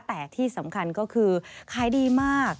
แต่ที่สำคัญก็คือขายดีมาก